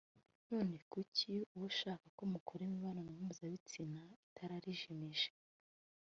none kuki uba ushaka ko mukora imibonano mpuzabitsina itara rijimije